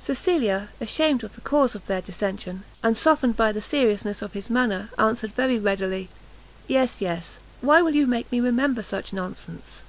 Cecilia, ashamed of the cause of their dissension, and softened by the seriousness of his manner, answered very readily, "yes, yes, why will you make me remember such nonsense?"